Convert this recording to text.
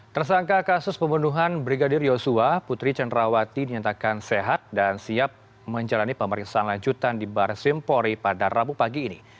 tersangka kasus pembunuhan brigadir yosua putri cenrawati dinyatakan sehat dan siap menjalani pemeriksaan lanjutan di barsimpori pada rabu pagi ini